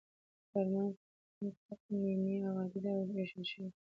فرمان په تقنیني او عادي ډول ویشل شوی.